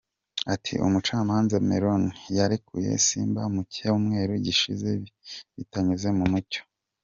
Ati “Umucamanza Meron yarekuye Simba mu Cyumweru gishize bitanyuze mu mucyo.